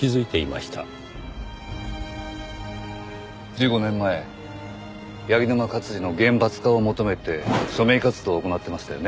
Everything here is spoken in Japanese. １５年前柳沼勝治の厳罰化を求めて署名活動を行ってましたよね。